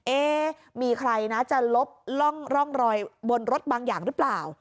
เอ๊ะมีใครนะจะลบร่องรอยบนรถบางอย่างหรือเปล่า